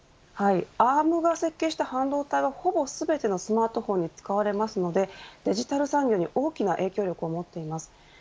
アーム設計した半導体はほぼ全てのスマートフォンに使われますのでデジタル産業に大きな影響力を持っています。